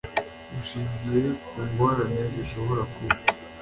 Bushingiye Ku Ngorane Zishobora Kuba